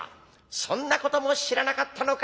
「そんなことも知らなかったのか？